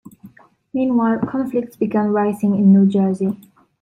Meanwhile, conflicts began rising in New Jersey.